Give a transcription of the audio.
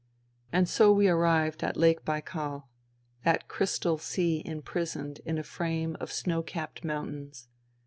And so we arrived at Lake Baikal, that crystal sea imprisoned in a frame of snow capped mountains.